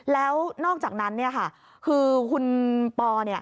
แล้วนอกจากนั้นคือคุณปอล์ก็บอกว่า